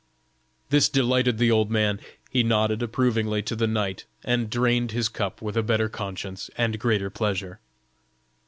This delighted the old man; he nodded approvingly to the knight, and drained his cup with a better conscience and greater pleasure.